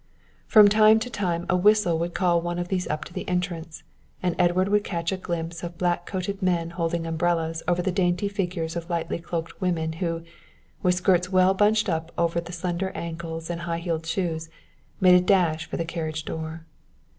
From time to time a whistle would call one of these up to the entrance, and Edward would catch a glimpse of black coated men holding umbrellas over the dainty figures of lightly cloaked women who, with skirts well bunched up over slender ankles and high heeled shoes, made a dash for the carriage door.